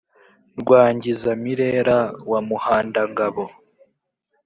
rwangizamirera rwa muhandangabo